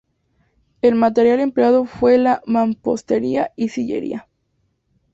El material empleado fue la mampostería y sillería.